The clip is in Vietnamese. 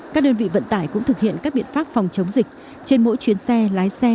các đơn vị vận tải cũng thực hiện các biện pháp phòng chống dịch trên mỗi chuyến xe lái xe